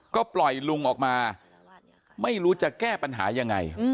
ก็ปล่อยลุงออกมาไม่รู้จะแก้ปัญหายังไง